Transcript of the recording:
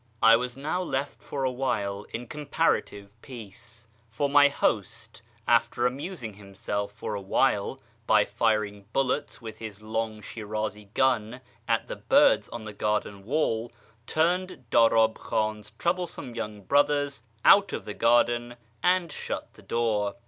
I was now left for a while in comparative peace; for my host, after amusing himself for a while by firing bullets witli his long Shinizi gun at the birds on the garden wall, turned Danib Khan's troublesome young brothers out of the garden and shut the door.